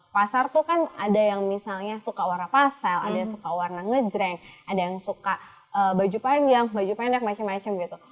pasar tuh kan ada yang misalnya suka warna pastel ada yang suka warna ngejreng ada yang suka baju panjang baju pendek macem macem gitu